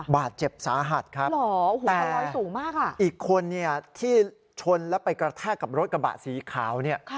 บาดเจ็บสาหัสครับแต่ลอยสูงมากค่ะอีกคนเนี่ยที่ชนแล้วไปกระแทกกับรถกระบะสีขาวเนี่ย